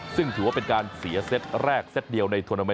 ซึ่งถือว่าเป็นการเสียเซตแรกเซตเดียวในทวนาเม